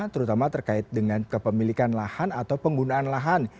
terutama terkait dengan kepemilikan lahan atau penggunaan lahan